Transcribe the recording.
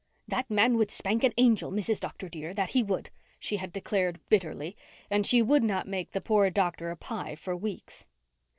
"That man would spank an angel, Mrs. Dr. dear, that he would," she had declared bitterly; and she would not make the poor doctor a pie for weeks.